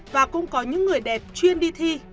và cũng có những người đẹp chuyên đi thi